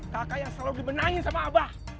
kakak yang selalu dimenangin sama abah